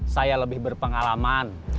saya lebih berpengalaman